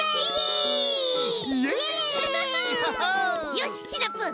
よしシナプー